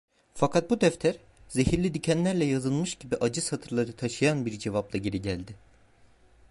Fakat bu defter, zehirli dikenlerle yazılmış gibi acı satırları taşıyan bir cevapla geri geldi.